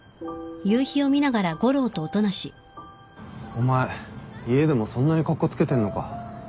お前家でもそんなにカッコつけてんのか？